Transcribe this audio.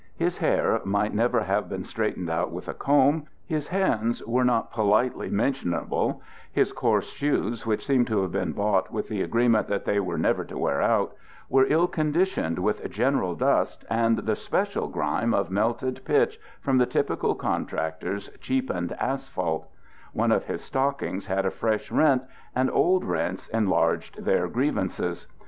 His hair might never have been straightened out with a comb; his hands were not politely mentionable; his coarse shoes, which seemed to have been bought with the agreement that they were never to wear out, were ill conditioned with general dust and the special grime of melted pitch from the typical contractor's cheapened asphalt; one of his stockings had a fresh rent and old rents enlarged their grievances.